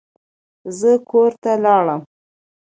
زه کور ته لاړم.